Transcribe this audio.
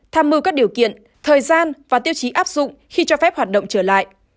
tham mưu các điều kiện thời gian và tiêu chí áp dụng khi cho phép hoạt động trở lại